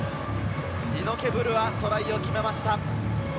イノケ・ブルア、トライを決めました。